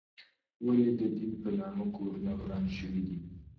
ولې د دین په نامه کورونه وران شوي دي؟